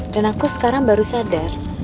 dan aku sekarang baru sadar